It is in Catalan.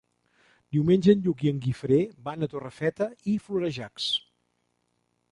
Diumenge en Lluc i en Guifré van a Torrefeta i Florejacs.